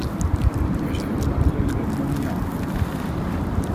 Er zijn ook maatregelen op mondiaal niveau nodig.